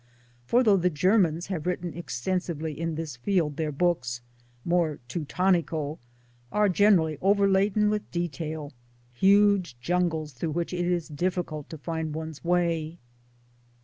For though the Germans have written extensively in this field their books more Teutonico are generally over laden with detail, huge jungles through' which it is difficult to find 1 one's way.